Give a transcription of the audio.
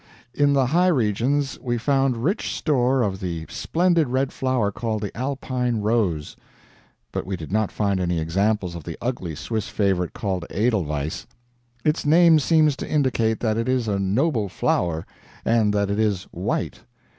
In the high regions we found rich store of the splendid red flower called the Alpine rose, but we did not find any examples of the ugly Swiss favorite called Edelweiss. Its name seems to indicate that it is a noble flower and that it is white.